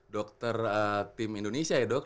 dokter tim indonesia ya dok